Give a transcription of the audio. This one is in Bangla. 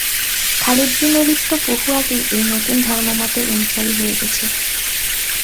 খালিদ বিন ওলীদ তো বহু আগেই এই নতুন ধর্মমতের অনুসারী হয়ে গেছে।